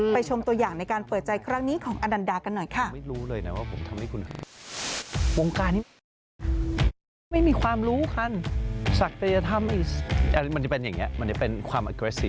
ชมตัวอย่างในการเปิดใจครั้งนี้ของอนันดากันหน่อยค่ะ